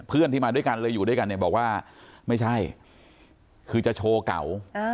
เพื่อนที่มาด้วยกันเลยอยู่ด้วยกันเนี่ยบอกว่าไม่ใช่คือจะโชว์เก่า